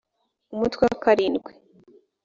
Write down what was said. umutwe wa karindwi